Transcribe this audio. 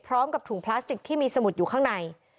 พร้อมกับถุงพลาสติกที่มีสมุดอยู่ข้างใน